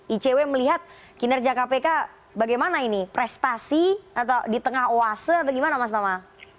icw melihat kinerja kpk bagaimana ini prestasi atau di tengah oase atau gimana mas tama